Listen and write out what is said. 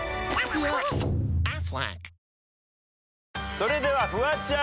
それではフワちゃん。